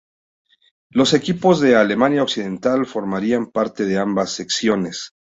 Los equipos de Alemania Occidental formarían parte de ambas secciones.